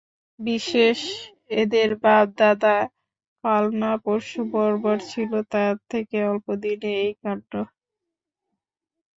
বিশেষ এদের বাপ-দাদা কাল না পরশু বর্বর ছিল, তা থেকে অল্পদিনে এই কাণ্ড।